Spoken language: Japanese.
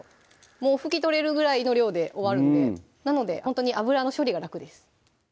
もう拭き取れるぐらいの量で終わるんでなのでほんとに油の処理が楽です